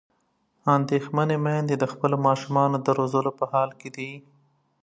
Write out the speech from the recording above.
اندېښمنې میندې د خپلو ماشومانو د روزلو په حال کې دي.